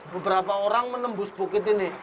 beberapa orang menembus bukit ini